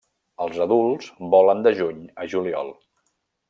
Els adults volen de juny a juliol.